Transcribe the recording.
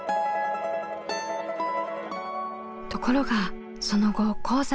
ところがその後鉱山が閉鎖。